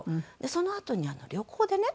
そのあとに旅行でね